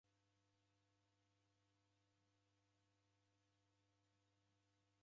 Kiture chadima kubonya mndu ukuvise nyumbenyi.